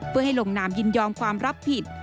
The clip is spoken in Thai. เพื่อให้ลงนามยินยอมความรับผิด